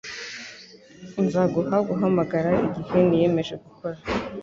Nzaguha guhamagara igihe niyemeje gukora.